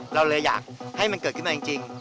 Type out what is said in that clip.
เราเลยอยากให้มันเกิดขึ้นมาจริง